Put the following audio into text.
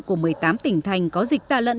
của một mươi tám tỉnh thành có dịch tà lận